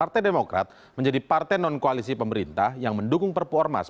partai demokrat menjadi partai non koalisi pemerintah yang mendukung perpu ormas